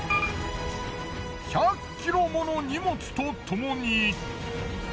１００キロもの荷物とともに。